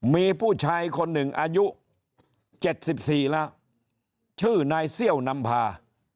มีผู้ชายคนหนึ่งอายุ๗๔แล้วชื่อนายเซี่ยวนำพา